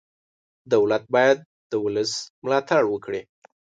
دولت باید د ولس ملاتړ وکړي.